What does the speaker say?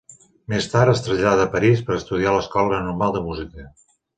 Més tard es trasllada a París per a estudiar a l'Escola Normal de Música.